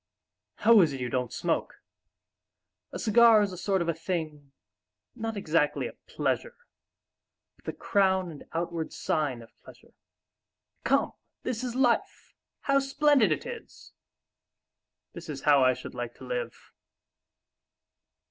"How is it you don't smoke? A cigar is a sort of thing, not exactly a pleasure, but the crown and outward sign of pleasure. Come, this is life! How splendid it is! This is how I should like to live!"